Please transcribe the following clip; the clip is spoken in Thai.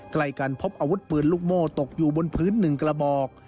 ใกล้กันพบอาวุธปืนลูกโม่ตกอยู่บนพื้น๑กระบอก